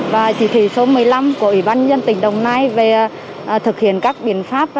và chỉ thị số một mươi năm của ủy ban nhân tỉnh đồng nai về thực hiện các biện pháp